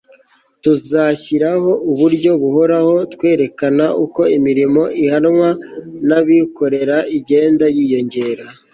tuzashyiraho uburyo buhoraho bwerekana uko imirimo ihangwa n'abikorera igenda yiyongera